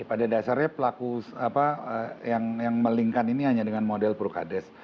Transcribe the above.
eh pada dasarnya pelaku apa yang melingkar ini hanya dengan model procades